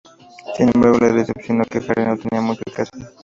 Sin embargo, le decepcionó que Harry no tenía mucho que hacer.